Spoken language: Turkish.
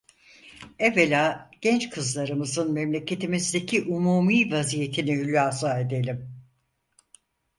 Evvela genç kızlarımızın memleketimizdeki umumî vaziyetini hulasa edelim: